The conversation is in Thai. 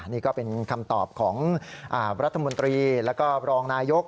นี่ก็เป็นคำตอบของรัฐมนตรีแล้วก็รองนายก